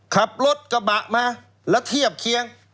ขับรถกระบะมาแล้วเทียบเคียง